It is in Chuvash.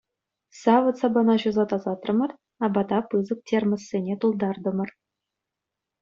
Савӑт-сапана ҫуса тасатрӑмӑр, апата пысӑк термоссене тултартӑмӑр.